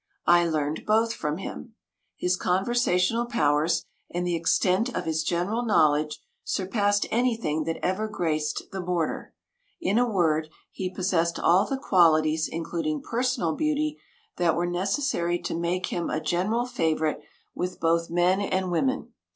I learned both from him. His conversational powers and the extent of his general knowledge surpassed anything that ever graced the border. In a word, he possessed all the qualities, including personal beauty, that were necessary to make him a general favorite with both men and women.